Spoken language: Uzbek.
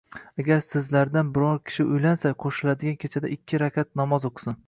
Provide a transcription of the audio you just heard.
Agar sizlardan biron kishi uylansa, qo‘shiladigan kechada ikki rakat namoz o‘qisin.